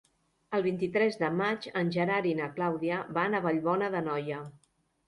El vint-i-tres de maig en Gerard i na Clàudia van a Vallbona d'Anoia.